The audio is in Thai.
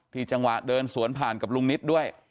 จังหวะเดินสวนผ่านกับลุงนิตด้วย